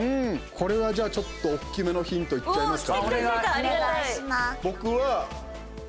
これは、じゃあ、ちょっとおっきめのヒントいっちゃいますか。